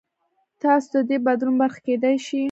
تاسو د دې بدلون برخه کېدای شئ.